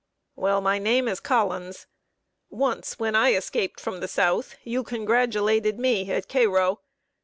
"Well, my name is Collins. Once, when I escaped from the South, you congratulated me at Cairo.